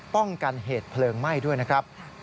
ป้องกันเหตุเพลิงไหม้ด้วยนะครับ